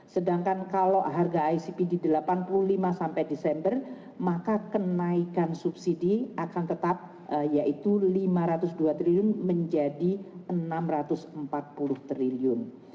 sedangkan kalau harga icp di delapan puluh lima sampai desember maka kenaikan subsidi akan tetap yaitu rp lima ratus dua triliun menjadi rp enam ratus empat puluh triliun